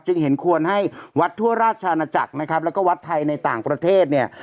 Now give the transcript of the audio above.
เห็นควรให้วัดทั่วราชอาณาจักรนะครับแล้วก็วัดไทยในต่างประเทศเนี่ย